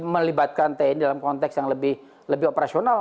melibatkan tni dalam konteks yang lebih operasional